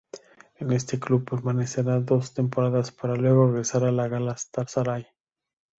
En este club permanecerá dos temporadas para luego regresar al Galatasaray.